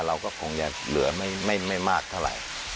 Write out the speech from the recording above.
เราก็คงจะเหลือไม่มากเท่าไหร่